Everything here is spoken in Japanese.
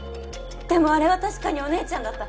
でもあれは確かにお姉ちゃんだった。